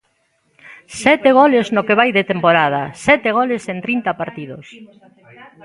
Sete goles no que vai de temporada, sete goles en trinta partidos.